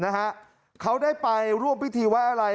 นะฮะเขาได้ไปร่วมพิธีไว้อะไร